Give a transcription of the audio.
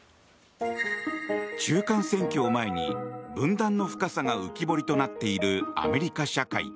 中間選挙を前に分断の深さが浮き彫りとなっているアメリカ社会。